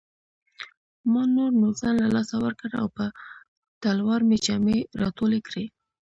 ما نور نو ځان له لاسه ورکړ او په تلوار مې جامې راټولې کړې.